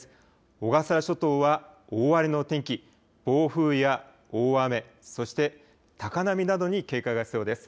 小笠原諸島は大荒れの天気、暴風や大雨、そして高波などに警戒が必要です。